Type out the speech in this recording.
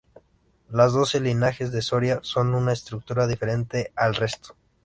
Los Doce Linajes de Soria son una estructura diferente al resto.